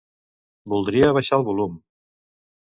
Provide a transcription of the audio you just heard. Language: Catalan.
Voldria abaixar el volum.